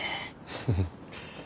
フフッ。